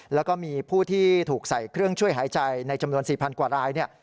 แล้วก็มีผู้ที่ถูกใส่เครื่องช่วยหายใจในจำนวน๔๐๐กว่ารายเนี่ย